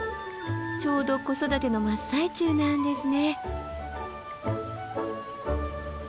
ちょうど子育ての真っ最中なんですね。